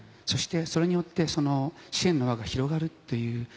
それによって、支援の輪が広がる。